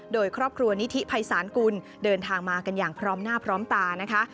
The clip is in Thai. โดยครอบครัวนิธิภัยศาลกุลเดินทางมากันอย่างพร้อมหน้าพร้อมตานะคะ